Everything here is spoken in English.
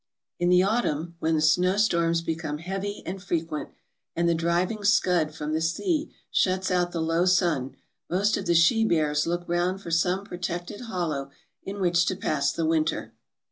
"In the autumn, when the snow storms become heavy and frequent, and the driving scud from the sea shuts out the low sun, most of the she bears look round for some protected hol low in which to pass the winter.